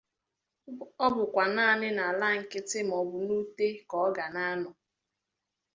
Ọ bụkwa naanị n'ala nkịtị maọbụ n'ute ka ọ ga na-anọ